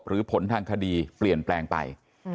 ผลทางคดีเปลี่ยนแปลงไป